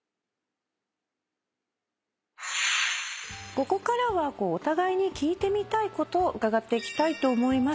ここからはお互いに聞いてみたいことを伺っていきたいと思います。